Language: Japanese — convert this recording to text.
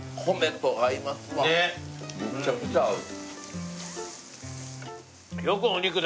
むちゃくちゃ合う。